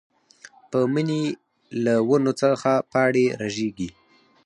پۀ مني له ونو څخه پاڼې رژيږي